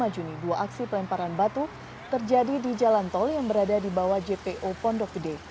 dua puluh juni dua aksi pelemparan batu terjadi di jalan tol yang berada di bawah jpo pondok gede